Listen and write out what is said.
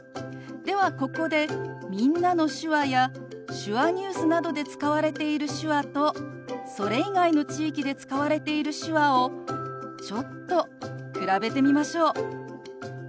ではここで「みんなの手話」や「手話ニュース」などで使われている手話とそれ以外の地域で使われている手話をちょっと比べてみましょう。